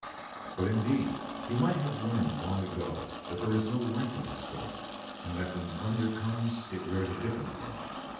But, indeed, he might have learned long ago that there is no life in his storm, and that when thunder comes it wears a different gloom.